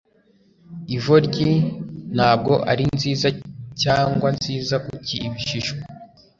Ivoryi ntabwo ari nziza cyangwa nziza kuki ibishishwa